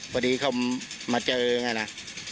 พอดีเขามาเจอไงนะ